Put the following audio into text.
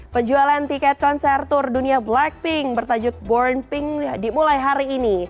penjualan tiket konser tour dunia blackpink bertajuk born pink dimulai hari ini